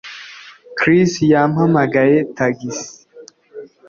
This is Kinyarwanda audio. Chris yampamagaye tagisi